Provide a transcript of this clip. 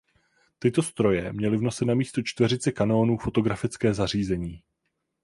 Tyto stroje měly v nose namísto čtveřice kanónů fotografické zařízení.